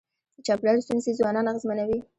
د چاپېریال ستونزې ځوانان اغېزمنوي.